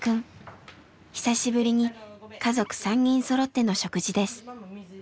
久しぶりに家族３人そろっての食事です。